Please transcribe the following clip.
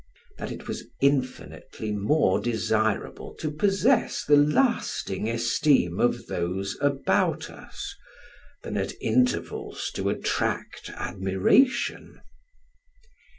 That it was infinitely more desirable to possess the lasting esteem of those about us, than at intervals to attract admiration.